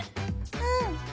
うん。